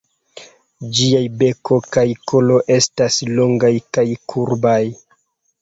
Ĝiaj beko kaj kolo estas longaj kaj kurbaj.